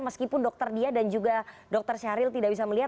meskipun dokter dia dan juga dokter syahril tidak bisa melihat